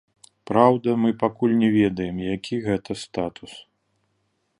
Праўда, мы пакуль не ведаем, які гэта статус.